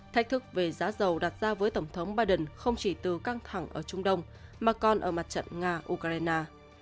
thách thức về giá dầu đặt ra với tổng thống biden không chỉ từ căng thẳng ở trung đông mà còn ở mặt trận nga ukraine